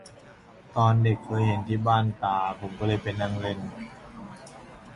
ตอนเด็กเคยเห็นที่บ้านตา ผมก็ไปนั่งเล่น